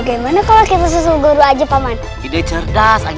hanya dengan allah yang terbesar